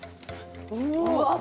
うわっ。